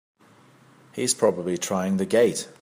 He's probably trying the gate!